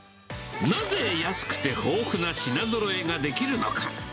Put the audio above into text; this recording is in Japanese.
なぜ、安くて豊富な品ぞろえができるのか。